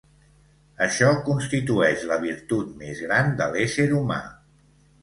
Això constitueix la virtut més gran de l'ésser humà.